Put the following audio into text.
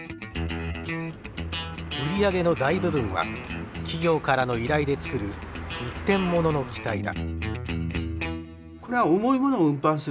売り上げの大部分は企業からの依頼で作る一点ものの機体だ。